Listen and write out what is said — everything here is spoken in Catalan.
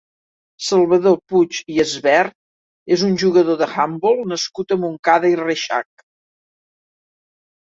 Salvador Puig i Asbert és un jugador d'handbol nascut a Montcada i Reixac.